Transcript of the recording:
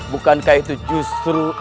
bukankah itu justru